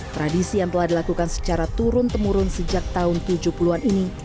tradisi yang telah dilakukan secara turun temurun sejak tahun tujuh puluh an ini